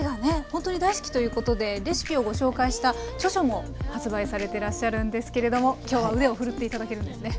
本当に大好きということでレシピをご紹介した著書も発売されてらっしゃるんですけれども今日は腕を振るって頂けるんですね。